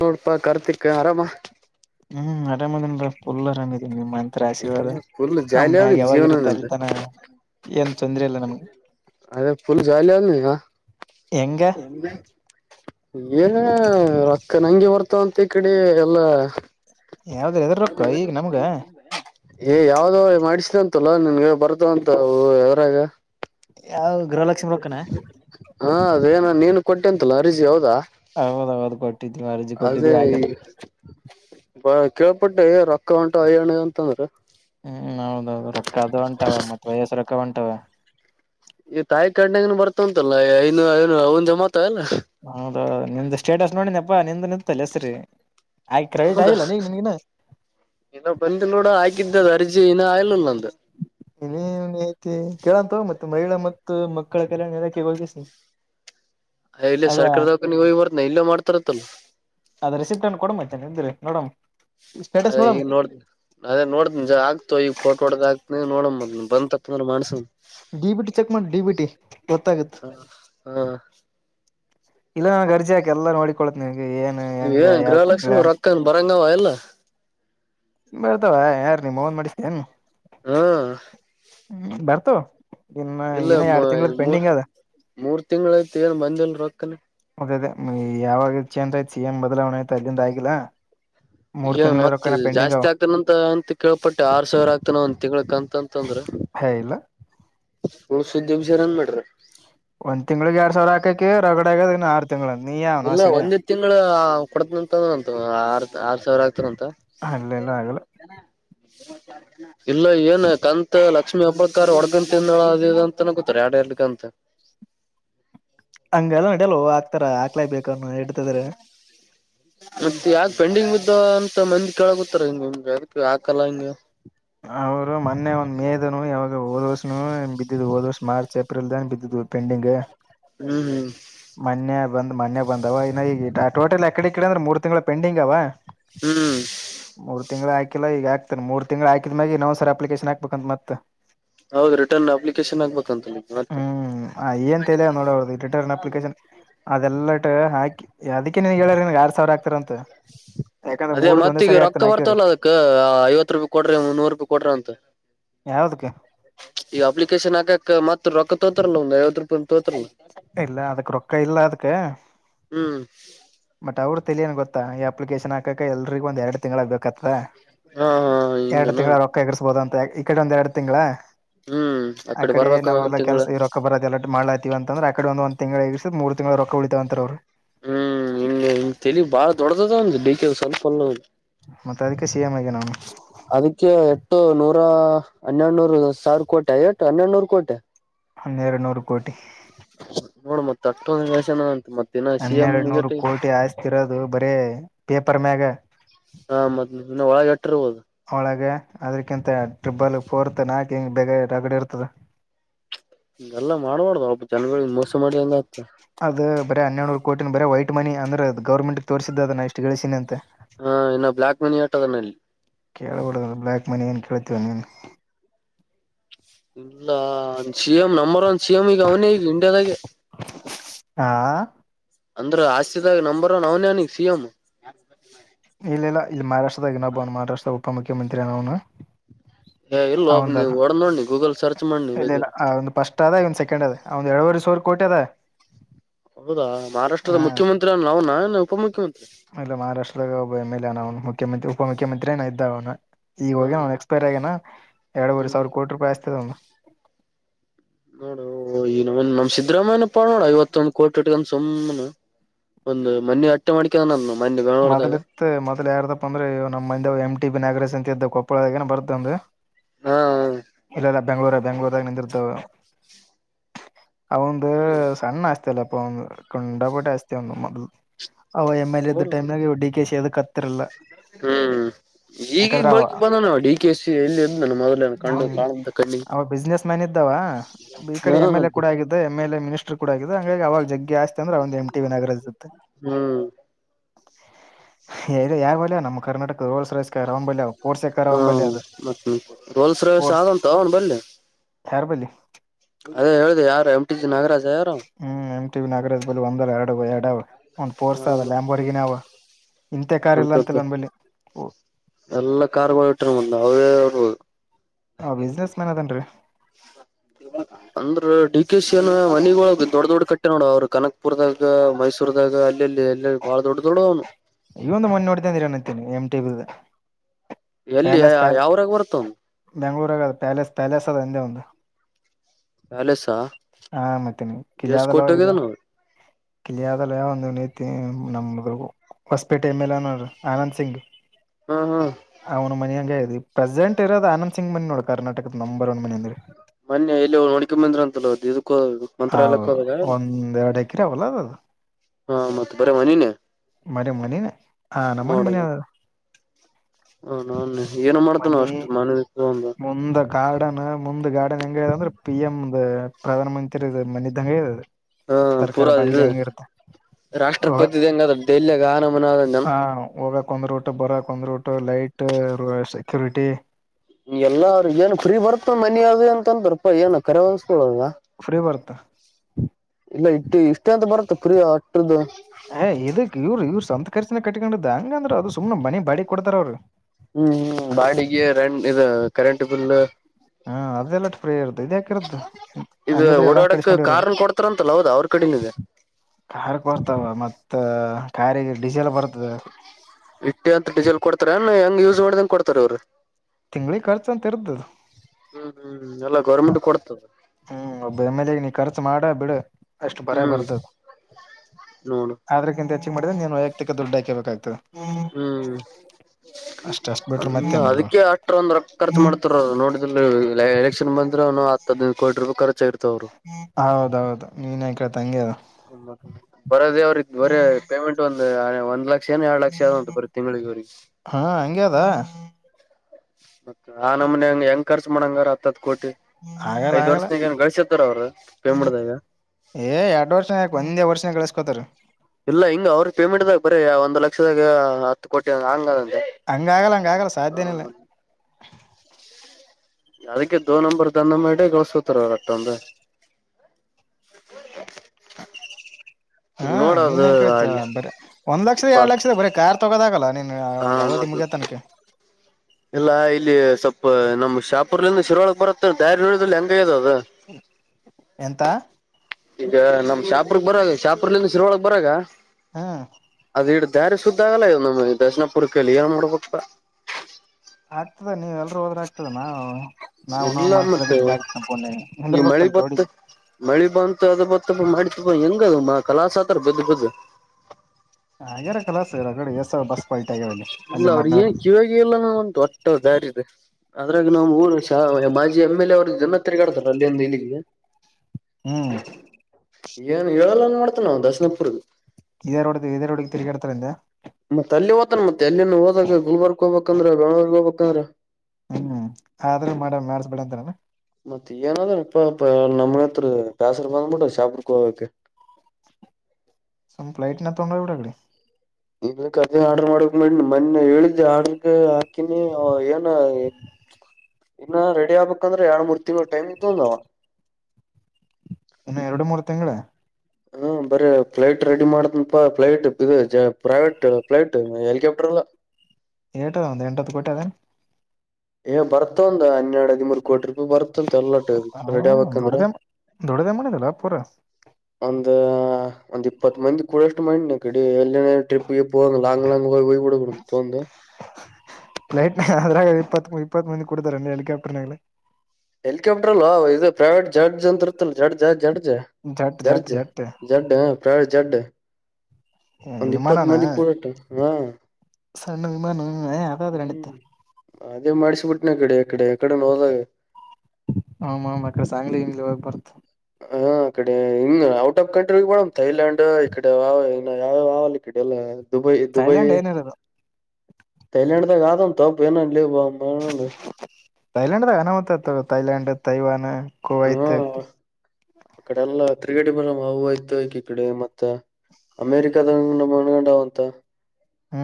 ನೋಡ್ಪಾ ಕಾರ್ತಿಕ್ ಆರಾಮ ಆರಾಮ್ ಅದಿನಿರಿ ಫುಲ್ ಆರಾಮ ಇದಿನೀ ನಿಮ್ಮ ಹಂತವರ ಆಶೀರ್ವಾದ ಫುಲ್ ನಮ್ಮ ಜಾಲಿ ಆದ ಮ್ಯಾಗ ಈಗ ಯಾವಾಗ ಜೀವನ ಇರುತ್ತ ನಿಂದ ಅಲ್ಲಿತನ ಏನ್ ತೊಂದ್ರ ಇಲ್ಲ ನಮ್ಗೆ ಅದೇ ಪುಲ್ ಜಾಲಿ ಆದಿ ನೀನ್ ಹೆಂಗ ಏನ್ ರೊಕ್ಕ ನಂಗೆ ಬರ್ತಾವಂತಿ ಈ ಕಡೆ ಎಲ್ಲಾ ಯಾವ್ದ್ರ ಎದ್ರ ರೊಕ್ಕ ಈಗ ನಮ್ಗ ಏ ಯಾವ್ದೋ ಮಾಡಿಸಿದಂತಲ್ಲಾ ನಿನ್ಗೆ ಬರ್ದಾವಂತ ಅವು ಎದರಾಗ ಯಾವ ಗೃಹಲಕ್ಷ್ಮಿ ರೊಕ್ಕನ ಹಾ ಅದೇನ ನೀನು ಕೊಟ್ಟೆಂತಲ್ಲ ಅರ್ಜಿ ಹೌದಾ ಹೌದ ಹೌದು ಕೊಟ್ಟಿದ್ವಿ ಅರ್ಜಿ ಅದೇ ಕೊಟ್ಟಿದ್ವಿ ಈ ಆಗ್ಯದ ಬ ಕೇಳ್ಪಟ್ಟೆ ಏ ರೊಕ್ಕ ಹೊಂಟಾವ್ ತಾಯಿ ಆನೆ ಅಂತಂದ್ರ ಹ್ಮ್ ಹೌದೌದು ರೊಕ್ಕಾ ಅದು ಹೊಂಟವ ಮತ್ತ ವಯಸ ರೊಕ್ಕ ಹೊಂಟವ ಈ ತಾಯಿ ಕಾರ್ಡ್ ನಗ್ಯನುವ ಬರ್ತಾವ ಅಂತಲ್ಲ ಐದುನೂರು ಐದುನೂರು ಅವನ್ ಜಮಾ ಅತವಾ ಎನ್ ಹೌದೌ ನಿಮ್ದ ಸ್ಟೇಟಸ್ ನೋಡಿನಪ್ಪಾ ನಿಂದು ನಿಂತಲ್ಲ ಹೆಸ್ರರಿ ಆಯ್ ಕ್ರೆಡಿಟ್ ಆಗಿಲ್ಲ ನಿಂಗ ನೀನ್ ಇನ್ನಾ ಬಂದಿಲ್ಲ ನೋಡ ಹಾಕಿದ ಅದ ಅರ್ಜಿ ಇನ ಆಯಲಿಲ್ಲ ನಂದು [unintelligible] ಮತ್ತ ಮಕ್ಕಳ ಕಲ್ಯಾಣ ಇಲಾಖೆ ಗೊತ್ತ ಐತಿ ಏ ಇಲ್ಲೆ ಸರ್ಕಾರ ದೇವಖಾನಿ ಹೋಗಿ ಬರ್ತನ ಇಲ್ಲೇ ಮಾಡ್ತಾರತ್ತಲ್ ಆದರ ರೆಸಿಪ್ಟ್ ಏನ್ ಕೊಡುಮತ್ತ ನಿಂದರೆ ನೋಡುಂ ಅದೇ ಈಗ ನೋಡ ಅದೇ ನೋಡ್ತ ಆಗ್ತು ತೊಗೊ ಈಗ ಫೋಟೋ ಹೊಡದ ಹಾಕ್ತೀನಿ ನೋಡಮ ಹು ಬಂತ ಅಂದ್ರ ಮಾಡ್ಸೋನು ಡಿ ಬಿ ಟಿ ಚೆಕ್ ಮಾಡಿ ಡಿ ಬಿ ಟಿ ಗೊತ್ತಾಗತ್ ಹಾ [unintelligible] ಇಲ್ಲರಾ ನನಗ ಅರ್ಜಿ ಹಾಕ್ ಎಲ್ಲಾ ನೋಡಿಕೊಳ್ತೀನಿ. ಇವ ಏನು ಗೃಹಲಕ್ಷ್ಮಿ ರೊಕ್ಕ ಬರಂಗವಾ ಇಲ್ಲ ಬರ್ತವ ಯಾರು ನಿಮ್ಮ ಅವನ್ ಮಾಡಿಸದೇನು ಹಾ ಹ್ಮ್ ಬರ್ತವ ಇಲ್ಲ ಮೂರ್ ಮೂರ್ ತಿಂಗಳ ಆಯ್ತ್ ಏನ್ ಬಂದಿಲ್ಲ ರೊಕೇನ್ ಅದೇ ಅದೇ ಯಾವಾಗ ಚೇಂಜ್ ಆಯ್ತು ಸಿ ಎಂ ಬದಲಾವಣೆ ಆಯ್ತು ಅಲ್ಲಿಂದ ಆಗಿಲ್ಲ. ಮೂರ್ ಏನ್ ತಿಂಗಳ ಮತ್ತ ರೊಕ್ಕನ ಪೆಂಡಿಂಗ್ ಜಾಸ್ತಿ ಅವ ಆಗ್ತಾನಂತ ಅಂತ ಕೇಳ್ಪಟ್ಟೆ ಆರ್ ಸಾವಿರ ಹಾಗ್ತಾನ ಒಂದ ತಿಂಗಳಕ್ ಅಂತಂತಂದ್ರ ಹೇ ಇಲ್ಲ ಸುಳ್ಳು ಸುದ್ದಿ ಎಬ್ಸಾಯರ ಏನ್ ಮಾಡ್ಯಾರ ಒಂದ್ ತಿಂಗ್ಳಿಗೆ ಎರಡ್ ಸಾವಿರ ಹಾಕಕ್ಕೆ ರಗಡ ಆಗದ ಇನ್ನು ಆರ್ ತಿಂಗಳ ನೀ ಯಾವನೋ ಇಲ್ಲ ಸಳೆ ಒಂದೇ ತಿಂಗಳು ಕೊಡತನಂತಂತು ಆರ್ ಆರ್ ಸಾವಿರ ಆಗ್ಲಿಲ್ಲ ಆಗಲ್ಲ ಇಲ್ಲ ಏನ್ ಕಂತ ಲಕ್ಷ್ಮಿ ಹೆಬ್ಬಾಳ್ಕರ್ ಹೋಡ್ಕೊಂಡ ತಿಂದಾಳ ಅಂತ ಅದ ಇದ ಆನಕತರ ಎಡ್ ಎಡ್ ಕಂತ ಹಂಗೆಲ್ಲ ನಡಿಯಲ್ಲ ಹಾಕ್ತಾರ ಹಾಕ್ಲೇಬೇಕ ಇಡ್ತದ್ರ ಮತ್ತ ಯಾಕ ಪೆಂಡಿಂಗ್ ಬಿದ್ದವ ಅಂತ ಮಂದಿ ಕೆಳಕುಂತರ್ ಹಿಂಗ್ ಹಿಂಗ್ ಅವರು ಮೊನ್ನೆ ಒಂದ್ ಮೇದನು ಯಾವಾಗೋ ಹೋದ ವರ್ಷ ಬಿದ್ದಿದಿದ್ದು ಹೋದ್ ವರ್ಷ ಮಾರ್ಚ್ ಏಪ್ರಿಲ್ ದನ್ ಬಿದ್ದಿದ್ ಪೆಂಡಿಂಗ್ ಹ್ಮ್ ಹ್ಮ್ ಮನೆ ಬಂದ್ ಮೊನ್ನೆ ಬಂದವ ಅವ ಇನ್ನ ಈಗ ಟೋಟಲ್ ಆಕಡೆ ಇಕಡೆ ಅಂದ್ರೆ ಮೂರು ತಿಂಗಳ ಪೆಂಡಿಂಗ್ ಅವ ಹ್ಮ್ ಮೂರು ತಿಂಗಳು ಆಗಿ ಕಿಲ್ಲಾ ಈಗ ಹಾಕ್ತಾನೆ ಮೂರ್ ತಿಂಗಳು ಆಕಿದ ಮ್ಯಾಗ ಇನೊಂದು ಸರ್ ಅಪ್ಲಿಕೇಶನ್ ಹಾಕ್ಬೇಕ ಅಂತ ಮತ್ತ ಹೌದ್ ರಿಟರ್ನ್ ಅಪ್ಲಿಕೇಶನ್ ಹಾಕ್ಬೇಕಂತಲ್ಲಿ ಮತ್ತ ಹ್ಮ್ ಆ ಏನ್ ತಲ್ಯಾಗ ನೋಡ್ ಈ ಟ್ವಿ ಅಪ್ಲಿಕೇಶನ್ ಅದೆಲ್ಲ ಹಾಕಿ ಅದಕ್ಕೆ ನಿನಗ ಹೇಳ್ಯಾರ ಆರ್ ಸಾವಿರ ಹಾಕ್ತಾರ್ ಅಂತ [unintelligible] ಅದೇ ಮತ್ತ ಈಗ ರೊಕ್ಕ ಆಗ್ತಾನ ಹಾಕಿದ್ರಿ ಬರ್ತವಲ್ಲ ಅದಕ್ಕ ಐವತ್ತು ರೂಪಾಯಿ ಕೊಡ್ರಿ ಮುನ್ನೂರು ರೂಪಾಯಿ ಕೊಡ್ರಿ ಅಂತ ಯಾರ್ ಈ ಅಪ್ಲಿಕೇಶನ್ ಹಾಕಕ್ ಮತ್ ರೊಕ್ಕ ತೊತಾರಲ್ಲ ಒಂದ್ ಐವತ್ ರೂಪಾಯಿ ತೋತಾರಲ ಇಲ್ಲ ಅದಕ್ ರೊಕ್ಕ ಇಲ್ಲ ಅದಕ್ಕೆ ಹ್ಮ್ ಬಟ್ ಅವರು ತಲಿಯೆನ್ ಗೊತ್ತಾ ಈ ಅಪ್ಲಿಕೇಶನ್ ಹಾಕಕ ಎಲ್ರಿಗು ಒಂದ್ ಎರಡ್ ತಿಂಗಳಾ ಬೇಕತದ ಹಾ ಹಾ ಎರಡು ಹಿಂಗನ ತಿಂಗಳ ರೊಕ್ಕ ಎಗರ್ಸ್ಬೋದ ಅಂತ ಈ ಕಡೆ ಒಂದ ಎರಡು ತಿಂಗ್ಗಳ ಹ್ಮ್ ಆ ಕಡೆ ಬರ್ಬೇಕ ಒಂದ್ ನಾವೆಲ್ಲಾ ತಿಂಗಳ ಕೆಲ್ಸ ಇವ ರೊಕ್ಕ ಬರದ್ ಎಲ್ಲ ಮಾಡ್ಲಾತಿವಿ ಅಂತಂದ್ರೆ ಆಕಡೆ ಒಂದೊಂದ್ [unintelligible] ಮೂರು ತಿಂಗಳ ರೊಕ್ಕ ಉಳಿತಾವ ಅಂತರ ಅವರು ಹ್ಮ್ ಇ ತಲಿ ಬಾಳ ದೊಡ್ಡದ ಅವ್ನದ್ದು [unintelligible] ಸ್ವಲ್ಪ ಮತ್ತ್ ಅದಕ್ಕೆ ಸಿ ಎಮ್ ಆಗೆನ್ ಅವ್ನು [unintelligible] ಹನ್ನೆರ್ಡನೂರು ಸಾವಿರ ಕೋಟೆ ಏಟು ಹನ್ನೆರ್ಡನೂರು ಕೋಟೆ ಹನ್ನೆರ್ಡ ನೂರು ಕೋಟಿ ನೋಡು ಮತ್ತ್ ಹನ್ನೆರಡ್ ನೂರು ಕೋಟಿ ಆಸ್ತಿ ಇರೋದು ಬರೇ [unintelligible] ಪೇಪರ್ ಮ್ಯಾಗ ಹ ಮತ್ತ್ [unintelligible] ಒಳಗೆ ಅದ್ರಕ್ಕಿಂತ ಟ್ರಿಬಲ್ ಪೋರ್ತ [unintelligible] ಬೇಗ [unintelligible] ಇರ್ತದ್ [unintelligible] ಎಲ್ಲಾ ಮಾಡ್ಬಾರ್ದೊ [unintelligible] ಜನಗಳಿಗೆ ಮೋಸ ಮಾಡಂಗ [unintelligible] ಅದ ಬರೇ ಹನ್ನೆಡುನೂರು ಕೋಟಿನ್ ಬರೆ ವೈಟ್ ಮನಿ ಅಂದ್ರೆ ಗೌರ್ಮೆಂಟ್ಗ್ ತೋರಿಸಿದ್ದದು ನಾ ಎಷ್ಟು ಗಳಿಸಿನಿ ಅಂತೆಳಿ ಹಾ ಇನ್ನು ಬ್ಲ್ಯಾಕ್ ಮನಿ ಎಟ್ಟದನ್ನಲ್ಲಿ [unintelligible] ಬ್ಲ್ಯಾಕ್ ಮನಿ ಏನ್ ಕೇಳ್ತೀವ ನೀನು ಇಲ್ಲ C M number one C M ಈಗ ಅವನೇ ಈಗ ಇಂಡಿಯಾದಾಗೆ ಹಾ ಅಂದ್ರ ಆಸ್ತಿದಾಗ ನಂಬರ್ ಒನ್ ಅವನೆ ಎನಿವಾಗ್ ಸಿ ಎಂ ಇಲ್ಲ ಇಲ್ಲ ಇಲ್ಲಿ ಮಹಾರಾಷ್ಟ್ರದಾಗ ಇನೂಬ್ಬನ್ ಮಹಾರಾಷ್ಟ್ರದ ಉಪ ಮುುಖ್ಯಮಂತ್ರಿ ಅವನು [inaudible] ಏ ಇಲ್ಲೊ ಒಬ್ ಅವಂದ ನೀ ಅದ ಹೊಡ್ ನೋಡ್ನಿ ಗೂಗಲ್ ಸರ್ಚ್ ಮಾಡ್ನಿ ಬೇಕಿರೆ ಅವಂದ್ ಎರಡುವರೆ ಸಾವಿರ ಕೋಟಿ ಅದ ಹೌದಾ ಮಹಾರಾಷ್ಟ್ರದ ಹಾ ಮುಖ್ಯಮಂತ್ರಿ ಅವ್ನಲ ಅನ್ನಾ ಎನ್ ಉಪ ಮುುಖ್ಯಮಂತ್ರಿ [unintelligible] ಇಲ್ಲ ಮಹಾರಾಷ್ಟ್ರದಾಗ ಒಬ್ಬ ಎಂ ಎಲ್ ಅವ್ನಾ ಮುಖ್ಯಮಂತ್ ಉಪುಖ್ಯಮಂತ್ರಿಯೆನ್ ಇದ್ದ ಅವ್ನು ಈಗ ಹ ಹೋಗ್ಯನ ಹ ಅವನ್ ಎಕ್ಸ್ಪೈರ್ ಆಗ್ಯನಾ ಹ್ಮ್ ಎರಡುವರೆಸಾವಿರ ಕೋಟಿ ರೂಪಾಯಿ ಆಸ್ತ [unintelligible] ನೋಡೊ ಈ ನಮ್ ಸಿದ್ದರಾಮಯ್ಯನಪ್ಪ ನೋಡ ಐವತ್ತೊಂದ್ ಕೋಟಿ [unintelligible] ಸುಮ್ಮ್ನೆ ಒಂದು ಮನೆ [unintelligible] ಮೊದ್ಲಿತ್ತು ಮೊದ್ಲ್ ಯಾರ್ದಪ್ಪ ಅಂದ್ರೆ ನಮ್ಮ್ ಮಂದ [unintelligible] [unintelligible] ನಾಗರಾಜ್ ಅಂತ್ದ ಕೊಪ್ಪಳದ [unintelligible] ಹಾ ಇಲ್ಲಲ್ಲ ಬೆಂಗ್ಳೂರ ಬೆಂಗ್ಳೂರದಾಗ ನಿಂತಿರ್ತಾವ ಅವಂದು ಸಣ್ಣ ಆಸ್ತಿ ಅಲ್ಲ [unintelligible] ಅವ ಎಂ ಎಲ್ ಇದ್ದ ಟೈಮ ಡಿಕೆಶಿ [unintelligible] ಹ್ಮಾ ಯಾಕಂದ್ರ ಈಗೀಗ್ ಅವ [unintelligible] ಬಂದಾನು ಡಿ ಕೆ ಶಿ ಸಿ ಎಲ್ಲಿ [unintelligible] ನಾನ ಮೊದಲ ಹ್ಮ್ [unintelligible] ಅವ ಬಿಸ್ನೆಸ್ ಮ್ಯಾನ್ ಇದ್ದಾವ ಈ ಕಡೆ ಎಂ ಎಲ್ ಎ ಕೂಡ ಹ್ಮ್ ಆಗಿದೆ ಎಮ್ ಎಲ್ ಎ ಮಿನಿಸ್ಟರ್ ಕೂಡ ಅಗಿದ್ದ ಹಂಗಾಗಿ ಅವಾಗ ಜಗ್ಗಿ ಆಸ್ತಿ ಅಂದ್ರೆ ಅವಂದ್ ಎಂಟಿಭಿ ನಗರ [unintelligible] [unintelligible] ಹ್ಮ್ ಯಾರ್ [unintelligible] ನಮ್ಮ ಕರ್ನಾಟಕ ರೋಲ್ಸ್ ರೈಸ್ ಕಾರ್ ಅವನ್ ಬಲ್ಯ ಫೋರ್ಸ್ ಕಾರ್ ಹಾ ಅವನ್ ಬಲ್ಯ ಅದು ಮತ್ತೆ ರೋಲ್ಸರಾಯ್ಸ ಆದಂತೋ ಅವನ್ ಬಳಿ [unintelligible] ಯರ್ ಬಲ್ಲಿ ಅದೇ ಹೇಳುದು ಯಾರ್ ಎಂಟಿ [unintelligible] ಹ್ಮ್ ಎಂ ಟಿ ಸಿ ನಗರಜ್ ಬಳಿ ಒಂದಲ್ಲ ಎರಡಾವ ಎರಡ ಅವ ಒಂದ ಪೋರ್ಸ್ ಅದ ಲಂಬರ್ಗಿನಿ ಅವ ಇಂತೆ ಕಾರ್ ಇಲ್ಲ ಅಂತಲ್ಲ ಅವನ್ [unintelligible] ಬಲ್ಲಿ ಎಲ್ಲಾ ಕಾರ್ರ್ಗಳು [unintelligible] ಹ ಬಿಸ್ನೆಸ್ ಮ್ಯಾನ್ ಅದಾನ್ರಿ ಅಂದ್ರ ಡಿ ಕೆ ಶಿ ಮನಿ ದೊಡ್ಡ ದೊಡ್ ಕಟ್ಟನ್ ನೋಡ ಅವ್ರ ಕನಕ್ [unintelligible] ಪುರದಾಗ ಮೈಸೂರದಾಗ ಅಲ್ಲೆಲ್ಲಿ ಎಲ್ಲಲ್ಲಿ ಬಾಳೊಡ್ಡ ದೊಡ್ಡ ಅವ್ನು [inaudible] ಎಂ ಟಿ ಬಿ ದು ಎಲ್ಲಿ ಪ್ಯಾಲೇಸ್ ಪ್ಯಾಲ ಯಾವರಾಗ ಬರ್ತವನು ಬೇಂಗಳುರಗ ಅ ಪ್ಯಾಲೇಸ್ ಪ್ಯಾಲೇಸ್ ಅದ ಒಂದ ತಲಸ ಹಾ ಮತ್ತ ನೀ ಕಿಲಿಯಾದಲ ಇದ ಹೋಗಿದಾನ ಕಿಲಿಯಾದಲ ಒಂದು ಮನಿ ಐತಿ. ನಮದ ಹೊಸಪೇಟೆ ಎಮ್ ಎಲ್ನೋ ಆನಂದ್ ಸಿಂಗ್ ಹಾ ಹಾ ಅವನ ಮನೀ ಹಂಗ ಪಜೇಂಟ ಇರೋದ ಆನಂದ್ ಸಿಂಗ್ ಮನಿ ನೋಡ್ ಕರ್ನಾಟಕದ ನಂಬರ್ ಒನ್ ಮಿ ಅಂದ್ರ ಮನ್ನಿ ಎಲ್ಲೋ ನೋಡಕೊಂಡ ಬಂದ್ರ ಅಂತಲ ಇದು ಕ ಹೌದು ಮಂತ್ರಾಲಯಕ ಹೋದಾಗ ಒಂದ್ ಎರಡ್ ಎಕರೆ ಹೊಲ ಅದ ಅದು ಹಾ ಮತ್ತ ಬರೇ ಮನಿನೇ ಮನೆ ಮನಿನೇ ನೋಡನ. ಮಾಡ್ತಾನ ಮನ್ನಿ ಅಷ್ಟು ಮನ ಒಂದು ಮುಂದ ಗಾರ್ಡನ್ ಮುಂದ ಗಾರ್ಡನ್. ಹೆಂಗ ಅಂದ್ರೆ P M the Pradhan Mantri ಮನಿದ್ದಂಗ ಇದ ಹಾ ಸರ್ಕಾರ ಪೂರಾ ಇದ ಬಂಗ್ಲೆ ಹಂಗ ಇರುತ್ತೆ ಹ ರಾಷ್ಟ್ರಪತಿದ ಹೆಂಗ ಅದ ದೆಲ್ಲಿಗ ಆನಮ ಅದ್ ಬರಕಂದ್ರ ಓಟ ಲೈಟ್ ಸೆಕ್ಯೂರಿಟಿ. ಎಲ್ಲರ ಏನ್ ಫ್ರೀ ಬರ್ತ್ತ ಮನಿ ಅದ ಅಂತ ಅಂದ್ರ ಪ್ಪಾ ಏನ ಕರೆ ಒ ಫ್ರೀ ಬರ್ತ ಇಲ್ಲ ಇನ್ನ ಇಷ್ಟ ಅಂತ ಬರುತ್ತ ಪರಿ ಹಟ್ಟ್ರದ್ದ ಕರ್ಸಿನ ಕಟ್ಕೊಂಡಿದ್ದ ಹಂಗಂದ್ರ ಅದು ಸುಮ್ನ ಮನೆ ಬಾಡಿ ಕೊಡ್ತಾರ ಅವ್ರ. ಹ್ಮ ಹ್ಮ ಬಾಡಿಗೆ ರ ಇದ ಕರೆಂಟ್ ಬಿಲ್. ಹ ಅದೆಲ್ಲ ಫ್ರೀ ಇರತ್ತ ಇದ್ಯಾಕಿರತ್ತ ಇದು ಹಂಗಿದ್ರ ಎಲ್ಲಾರು ಕಡಿಸಕೊಂಡಿರ. ಹಿಂಗದ ಕಾರ ಬರ್ತಾವ ಮತ್ತ ಕಾರಿಗ ಡೀಸೆಲ್ ಬರ್ತದ. ಹೆಂಗ ಯೂಸ್ ಮಾಡ್ದಂಗ ಕೊಡ್ತಾರ ಅವ್ರ. ತಿಂಗಳಿಗ ಖರ್ಚ ಅಂತ ಇರತ್ತದ. ಹ್ಮ ಹ್ಮ ಅಲ್ಲ ಗೌರ್ಮೆಂಟ್ ಕೊಡ್ತದ. ಹ್ಮ್ ಒಬ್ಬ ಎಮ್ ಎಲ್ ಎ ನೀ ಖರ್ಚು ಮಾಡ ಬಿಡ ಅಷ್ಟ ಬರ ಹ್ಮ್ ಬರ್ತ ನೋಡು ಆದ್ರಕ್ಕಿಂತ ಚಿ ದ ನೀನ್ ವಯಕ್ತಿಕ ದುಡ್ಡು ಹಾಕಬೇಕ್ತದ. ಹ್ಮ. ಅಷ್ಟ ಅಷ ಒಂದ ಅದಕ್ಕೆ ಅಷ್ಟ ರ ಒಂದ್ ರ ಖರ್ಚ ಮಾಡತಾರ ನೋಡಿದ ಎಲೆಕ್ಷನ್ ಬಂದ್ರ ನೂ ಹದ ನದ ಕೋಟಿ ರೂಪಾಯ ಕ ಹೌದೌದ ನೀನ್ ಯಕಳ್ತಂಗ ಅದ ಬರೋದ ಅವ್ರ ಬರ ಪೇಮೆಂಟ್ ಒಂದ ಒಂದ ಲಕ್ ಕ್ಷ ಯಾಳ ಕ್ಷ ಅದ ತಿಂಗಳಿಗ ಅವ್ರಿಗ ಹಾ ಹಂಗೆ ಅದ ಮತ್ತ ಆ ನಮನೀ ಹೆಂಗ ಹೆಂಗ್ ಕರ್ಚ್ ಮಾಡಂಗಾರ ಆತ್ತದ ಕೋಟಿ ಆಗಲ್ಲ ಐದ ಆಗಲ್ಲ ವರ್ಷದ ಏನ್ ಗಳಿಸತ್ತಾರ ಅವರ ಪೇ ಮಾಡ್ದಾಗ ಟ ಯಾಕ ಒಂದೇ ವರ್ಷನ್ಯಾಗ ಗಳಸ್ಕೋತಾರ. ಇಲ್ಲ ಹಿಂಗ ಅವ್ರಗ ಪೇಮೆಂಟ್ದಾಗ ಬರಿ ಒಂದ ಲಕ್ಷದಾಗ ಹತ್ತು ಕೋಟಿ ಹಂಗ ಅದ ಹಂಗ ಆಗಲ್ಲ ಹಂಗ ಆಗಲ್ಲ ಸಾಧ್ಯನ ಇಲ್ಲ. [inaudible] ಅದಕ್ಕೆ ದೋ ನಂಬರ್ ದಂದೆ ಮಾಡ ಗಳಸ್ಕತಾರ ರಟ್ಟೊಂದ [inaudible] ಹಾ ನೀನ್ ಹಾಕಯ್ತ ಅಲ್ಲಿ ಬರ ಒಂದ ಲಕ್ಷದ ಎರಡ ಲಕ್ಷದ ಬರ ಕಾರ್ ತಗೋದಾಗಲ್ಲ ನಿ ಹಾ ಇಲ್ಲ ಇಲ್ಲಿ ಸ್ವ ನಮ್ಮ ಶಾಪುರ್ಲಿಂದ ಶಿರೊಳಗ ಬರುತ್ತ ದಾರಿದಲ್ಲಿ ಹೆಂಗಅದು ಎಂತ ಈಗ ನಮ್ ಶಾಪುರ್ಗ ಬರಗ ಶಾಪುರ್ಲಿಂದ ಶಿರೋಳಕ ಬರಾಗ ಹಾ ಅದ ಇಡ ದಾರಿ ಶುದ್ದ ಆಗಲ್ಲ ಇ ನಮ್ಮ ದರ್ಶನಪುರಕ್ಕೆಲ್ಲ ಏನ್ ಮಾಡ್ಬೇಕ. ಆಗ್ತದ ನೀವ್ ಎಲ್ರು ಹೋದ್ರ ಆಗ್ತದ ನಾವ ನಾವ ನಾವು ಇಲ್ಲ ಮಾತಾಡಿದ್ರ ಮತ್ತೆ ಇ ಆಗ್ಪ ಈ ಮಳಿ ಬತ್ತ ಮಳಿ ಬಂತ ಅದ ಬತ್ತ ಮಾಡತಿ ಅಂದ್ರ ಹೆಂಗದ. [unintelligible] ಆಗ್ಯಾರ ಕಲಾಸ ರಗಡೆ ಎಸ್ ಬಸ್ ಪಲ್ಟಿ ಆಗ್ಯಾವ ಅಲ್ಲಿ ಇಲ್ಲ ಅಲ್ಲಿ ಅವ್ರ ಮರ್ನಾಳ ಏನ್ ಬಲ್ಲಿ ಕಿವಾಗ ಎಲ್ಲಾನ ಒಂದು ಹೊಟ್ಟ ದಾರಿದ ಅದ್ರಾಗ ನಾವು ಊರು ಮಾಜಿ ಎಮ್ ಎಲ್ ಎ ಅವರು ಜನ ತಿರ್ಗಾಡ್ತಾರ ಅಲ್ಲಿ ಒಂದು ಇಲ್ಲಿಗೆ ಹ್ಮ್ ಏನ್ ಹೇಳನ್ ಮಾಡ್ತನ್ ನಾವು ದಸನಪುರದ ಇದರೋಡ ಇದೇರೋಡಕ್ಕೆ ತಿರುಗಾಡುತ್ತಾರೆ ಅಂದೆ ಮತ್ತತ್ ಅಲ್ಲಿ ಓ್ತನ ಮತ್ತೆ ಅಲ್ಲಿನ್ನು ಹೋದಾಗ ಗುಲ್ಬರ್ಗ್ ಹೋಗಬೇಕಂದ್ರೆ ಬೆಳೂರ್ಗ್ ಹೋಗ್ಬೇಕಂದ್ರ ಹ್ಮ್ ಆದ್ರೂ ಮಾಡ ಮಾಡ್ಸ್ಬೇಡ ಅಂತಾರನ ಮತ್ತತ್ ಏನಾದ್ರ ಇ ನಮ್ ಹತ್ರ ಬೇಸರ್ ಬಂದ್ಬಿಟ್ಟ ಶಾಪಿಡ್ಕೋಬೇಕಕ್ ಹ್ಮ್ಮ್. [unintelligible] ಇನ್ಕ್ ಅದೇ ಆರ್ಡ್ರ ಮಾಡಕ್ ಮ ಮೊನ್ನೆ ಹೇಳಿದ್ದ ಆರ್ಡ್ರಗೆ ಹಾಕಿನಿ ಏನ ಇನ್ನ ರೆಡಿ ಆಗ್ಬೇಕಂದ್ರೆ ಎರಡು ಮೂರು ತಿಂಗಳು ಟೈಮ್ ತುಲ್ದಾವ ಇನ್ನು ಎರಡು ಮೂರು ತಿಂಗಳ ಹ್ಮ ಬರೆ ಫ್ಲೈಟ್ ರೆಡಿ ಮಾಡತನಪಾ ಫ್ಲೈಟ್ ಇದು ಪ್ರೈವೇಟ್ ಫ್ಲೈಟ್ ಹೆಲಿಕಾಪ್ಟರ್ಲ್ಲ ಎಟದ ಒಂದು ಎಂಟತ್ತು ಕೊಟ್ಟ ಅದ ಏ ಬರ್ತೊಂದ ಹನ್ನೆರಡ್ ಹದಿಮೂರು ಕೋಟಿ ರೂಪಾಯಿ ಬರ್ತಂತ ಎಲ್ಲಟ ಹೋಗಕ್ ರೆಡಿ ಆಗ್ಕ್ಂದ್ರ ದೊಡ್ಡದೇ ದೊಡ್ಡದೇ ಮಾಡಿದಲ್ಲ ಪೂರ ಒಂದ ಒಂದ್ ಇಪ್ಪತ್ ಮಂದಿ ಕೂಡಷ್ಟು ಮೈ ನ ಕಡಿ ಎಲ್ಲಿನ ಟ್ರಿಪ್ ಗಿಫ್ [unintelligible] ಫ್ಲೈಟ್ನ ಅದ್ರಾಗ ಇಪ್ಪತ್ ಇಪ್ಪತ್ ಮಂದಿ ಕೊಡ್ತಾರ ಹೆಲಿಕಾಪ್ಟರ್ನಾಗ ಹೆಲಿಕಾಪ್ಟರ್ ಅಲ್ವಾ ಇದು ಪ್ರೈವೇಟ್ ಜಾರ್ಡ್ಜ್ ಅಂತ್ರ ಜಡ್ಜ ಜಡ್ಜ ಜಟ್ ಜಟ್ ಜಡ್ಜ ಜಟ್ ಜಡ್ ಪ್ರ ಜಡ್ ಒಂದ್ ಇಪ್ಪತ್ ವಿಮಾನನ ಮಂದಿ ಕೂಡಟ ಹಾ ಸಣ್ಣ ವಿಮಾನ ಏ ಆಗಾದರ ಅನಿತ ಹ್ಮ್ ಅದೇ ಮಾಡ್ಸಿಬಿಟ್ಟನೆ ಕಡೆ ಎಕಡೆ ಎಕಡೆ ಹೋದಾಗ ಹ ಅಕಡೆ ಸಾಂಗ್ಲಿ ಇಮ್ಲಿ ಹೋಗ್ ಬರ್ತು ಹ ಅ ಕಡೆ ಹಿಂಗ out of country madam Thailand ಈ ಕಡೆ ಇ ಯಾವ್ಯಾವಲ್ಲ ಈ ಕಡೆ ಎಲ್ಲ ದುಬಯ ದುಬಯ ಥೈಲ್ಯಾಂಡ್ ಏನಿರೋದು ಥೈಲಯಂಡ್ ತ ಕಾದಮ್ಮ ತೋಪ್ಪಏನ ಲ ಬಾ [unintelligible] ತಥಾಯಲ್ಯಂಡದ ಗಣಾವತ ತೈಲಂಡ್ ತೈವಾನ್ ಹಾ ಕುವೈತ್ ಅ ಕಡೆಲ್ಲ ತಿತ್ರಿಗಡಿ ಮವು ಆಯ್ತುಕ ಈ ಕಡೆ ಮತ್ತ ಅಮೇರಿಕದಂಗ ನ ಒಣಗೊಂಡ ಅಂತ ಹ್ಮ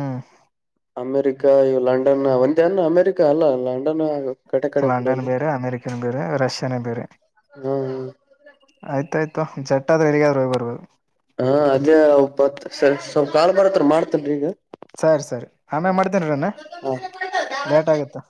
ಅಮೇರಿಕ ಇವು ಲಂಡನ್ ಒಂದ ಅನ್ ಅಮೇರಿಕ ಅಲ್ಲ ಲಂಡನ್ ಕಡೆ ಕಡೆ ಲಂಡನ್ ಬಿಡಲ್ಲಿ ಬೇರೆ ಅಮೇರಿಕನ್ ಬೇರೆ ರಷ್ಯಾನ ಬೇರೆ ಹಾ ಆಯ್ತಾಯಯ್ತು ಜಟ್ಟ ಆದ್ರೆ ಎಲ್ಲಿಗಾದ್ರರು ಹೋಗಿ ಬರ್ಬೋದು ಹಾ ಅದೇ ಒಪ್ಪತ್ ಸ್ವಲ್ಪ ಕಾಳ ಬರತ್ರ ಮಾಡ್ತಲ್ರಿ ಈಗ ಸರಿ ಸರಿ ಆಮೇ ಮಾಡ್ತೇನ್ ರನ್ನ ಲೇಟ್ ಆಗತ್ತ